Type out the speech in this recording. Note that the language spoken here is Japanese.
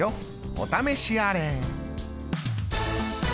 お試しあれ！